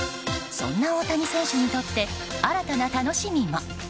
そんな大谷選手にとって新たな楽しみも。